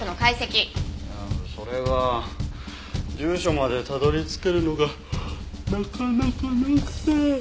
いやそれが住所までたどり着けるのがなかなかなくて。